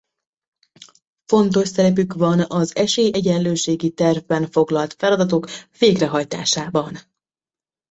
Fontos szerepük van az Esélyegyenlőségi Tervben foglalt feladatok végrehajtásában.